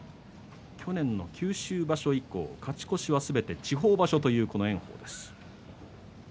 去年の九州場所以降勝ち越しはすべて地方場所という炎鵬です。